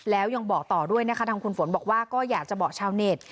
แล้วยังบอกต่อด้วยนะคะทางคุณฝนบอกว่าก็อยากจะบอกชาวเน็ต